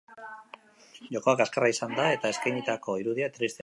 Jokoa kaskarra izan da eta eskainitako irudia tristea.